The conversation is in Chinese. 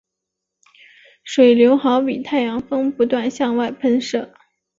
水流好比太阳风不断向外喷射。